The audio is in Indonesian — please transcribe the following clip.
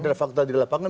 ini fakta di lapangan